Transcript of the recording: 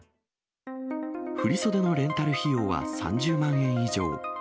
振り袖のレンタル費用は３０万円以上。